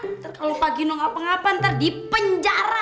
ntar kalau pak gino ngapa ngapa ntar di penjara